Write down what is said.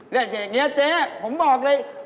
เนี่ยเจ๊ผมบอกเลย